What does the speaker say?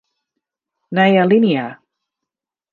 Nije alinea.